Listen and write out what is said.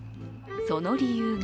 その理由が